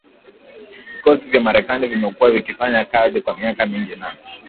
Vikosi vya Marekani vimekuwa vikifanya kazi kwa miaka mingi na